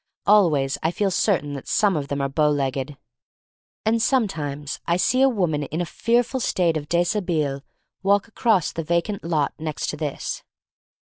Always I feel certain that some of them are bow legged. 264 THE STORY OF MARY MAC LANE And sometimes I see a woman in a fearful state of deshabille walk across the vacant lot next to this.